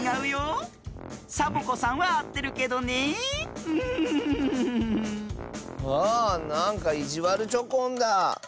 あなんかいじわるチョコンだ。